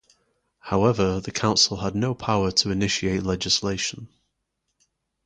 However, the council had no power to initiate legislation.